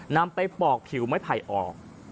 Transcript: นำไปปอกผิวไม้ไผ่ออก